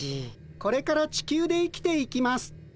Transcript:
これからチキュウで生きていきます。